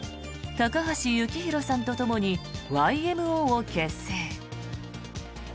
高橋幸宏さんとともにＹＭＯを結成。